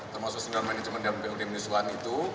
termasuk senior manajemen